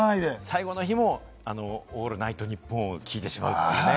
最後の日もオールナイトニッポンを聴いてしまうというね。